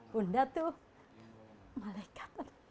bunda tuh malaikat